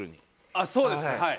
あっそうですねはい。